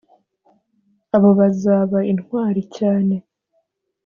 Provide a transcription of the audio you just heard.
“Abo bazaba intwari cyane